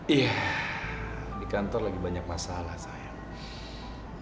iya di kantor lagi banyak masalah saya